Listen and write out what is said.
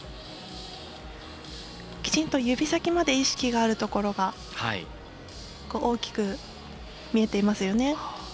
きちんと指先まで意識があるところが大きく見えていますよね。